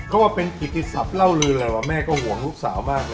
ก็ว่าเป็นกิจกิจศัพท์เล่าลืมอะไรว่าแม่ก็ห่วงลูกสาวมาก